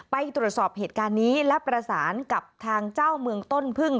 ไปตรวจสอบเหตุการณ์นี้และประสานกับทางเจ้าเมืองต้นพึ่ง